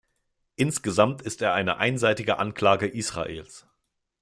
Insgesamt ist er eine einseitige Anklage Israels.